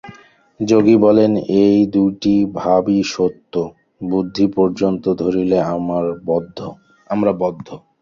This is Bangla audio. যোগী বলেন, এই দুইটি ভাবই সত্য, বুদ্ধি পর্যন্ত ধরিলে আমরা বদ্ধ।